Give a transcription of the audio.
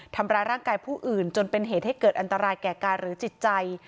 ทำร้ายร่างกายผู้อื่นจนเป็นเหตุให้เกิดอันตรายแก่กายหรือจิตใจ